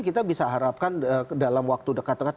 kita bisa harapkan dalam waktu dekat dekat